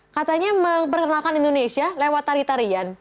katanya memperkenalkan indonesia lewat tari tarian